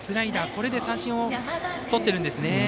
これで三振をとってるんですね。